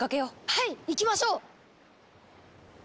はい行きましょう！